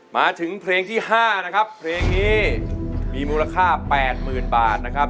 มาถึงเพลงที่ห้านะครับเพลงนี้มีมูลค่าแปดหมื่นบาทนะครับ